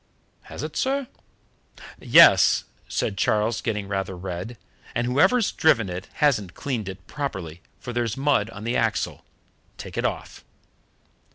"Has it, sir?" "Yes," said Charles, getting rather red; "and whoever's driven it hasn't cleaned it properly, for there's mud on the axle. Take it off."